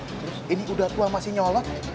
terus ini udah tua masih nyolak